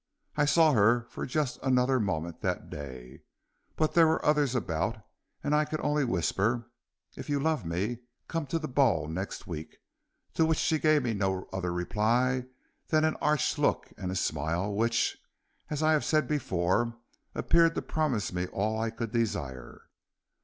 I saw her for just another moment that day, but there were others about, and I could only whisper, 'If you love me, come to the ball next week'; to which she gave me no other reply than an arch look and a smile which, as I have said before, appeared to promise me all I could desire.